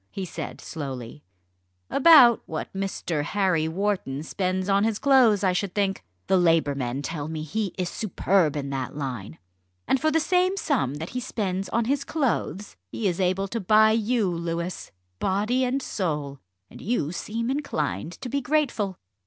he said slowly; "about what Mr. Harry Wharton spends on his clothes, I should think. The Labour men tell me he is superb in that line. And for the same sum that he spends on his clothes, he is able to buy you, Louis, body and soul, and you seem inclined to be grateful."